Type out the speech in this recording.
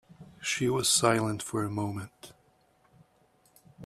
She was silent for a moment.